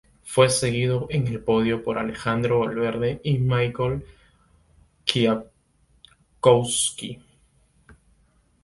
Fue seguido en el podio por Alejandro Valverde y Michał Kwiatkowski.